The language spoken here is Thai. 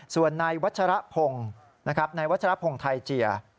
ส่วนนายวัชรพงศ์นะครับนายวัชรพงศ์ไทยเจีย